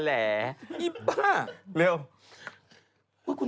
แล้วมีลูกสาวเลยเป็นตุ๊ดขึ้นทุกวัน